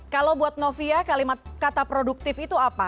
kalau buat novia kalimat kata produktif itu apa